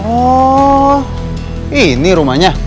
oh ini rumahnya